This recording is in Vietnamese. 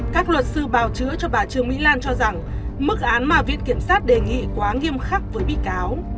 các luật sư bào chữa cho bà trương mỹ lan cho rằng mức án mà viện kiểm sát đề nghị quá nghiêm khắc với bị cáo